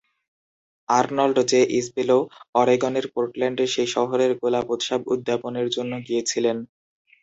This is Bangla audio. Arnold J. ইসবেলও অরেগনের পোর্টল্যান্ডে সেই শহরের গোলাপ উৎসব উদ্যাপনের জন্য গিয়েছিলেন।